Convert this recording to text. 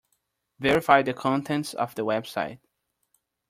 Verify the contents of the website.